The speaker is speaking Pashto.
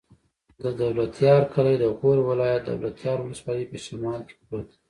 د دولتيار کلی د غور ولایت، دولتيار ولسوالي په شمال کې پروت دی.